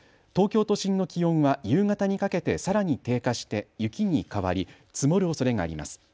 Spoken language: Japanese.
東京都心の気温は夕方にかけてさらに低下して雪に変わり積もるおそれがあります。